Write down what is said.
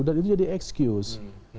dan itu jadi excuse